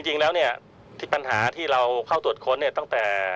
จริงแล้วเนี่ยปัญหาที่เราเข้าตรวจค้นเนี่ยตั้งแต่